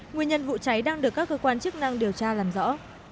nguyên nhân vụ cháy đang được các cơ quan chức năng điều tra làm rõ